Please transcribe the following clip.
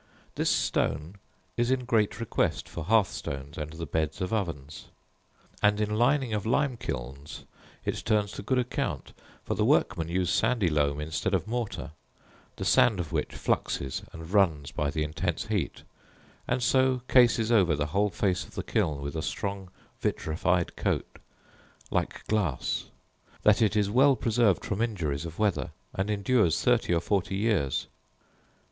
This stone is in great request for hearth stones and the beds of ovens: and in lining of lime kilns it turns to good account; for the workmen use sandy loam instead of mortar; the sand of which fluxes* and runs by the intense heat, and so cases over the whole face of the kiln with a strong vitrified coat like glass, that it is well preserved from injuries of weather, and endures thirty or forty years.